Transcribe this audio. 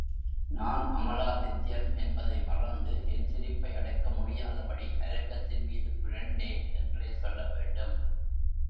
நான் அமலாதித்யன் என்பதை மறந்து என் சிரிப்பை அடக்க முடியாதபடி அரங்கத்தின்மீது புரண்டேன் என்றே சொல்ல வேண்டும்.